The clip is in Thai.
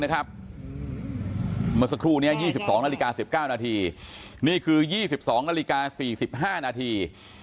เมื่อสักครู่นี้๒๒นาฬิกา๑๙นาทีนี่คือ๒๒นาฬิกา๔๕นาที